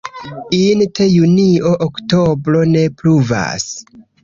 Int junio-oktobro ne pluvas.